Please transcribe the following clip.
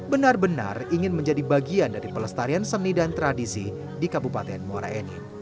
benar benar ingin menjadi bagian dari pelestarian seni dan tradisi di kabupaten muara enim